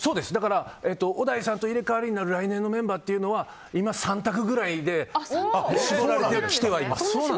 小田井さんと入れ替わりになる来年のメンバーというのは今３択ぐらいに絞られてきてはいます。